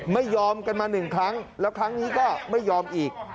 ไม่ยอมกันมาหนึ่งครั้งแล้วครั้งนี้ก็ไม่ยอมอีก